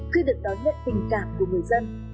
khi được đón nhận tình cảm của người dân